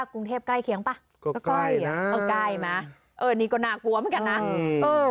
ก็ใกล้นะเออใกล้มานี่ก็น่ากลัวเหมือนกันนะ